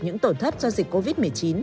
những tổn thất do dịch covid một mươi chín